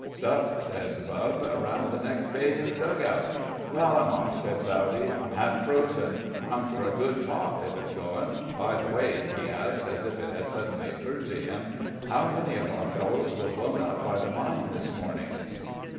"'S'up," said Bubb, "round the next bay in the dug out." "Well, I'm off," said Bowdy. "I'm half frozen. I'm for a good tot if it's going.... By the way," he asked, as if it had suddenly occurred to him, "how many of our fellows were blown up by the mine this morning?"